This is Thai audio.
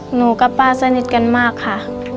หนูกับป้าสนิทกันมากค่ะ